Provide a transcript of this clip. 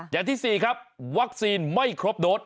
อย่างที่๔ครับวัคซีนไม่ครบโดส